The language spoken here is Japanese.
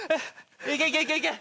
いけいけいけいけ。